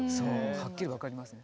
はっきり分かりますね。